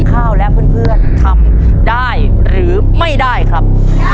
ข้าวและเพื่อนทำได้หรือไม่ได้ครับ